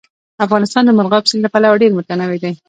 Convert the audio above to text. افغانستان د مورغاب سیند له پلوه ډېر متنوع دی.